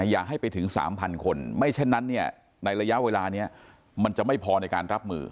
อย่าให้ไปถึง๓๐๐คนไม่ฉะนั้นเนี่ยในระยะเวลานี้มันจะไม่พอในการรับมือ